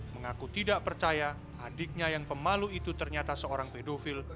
mengaku tidak percaya adiknya yang pemalu itu ternyata seorang pedofil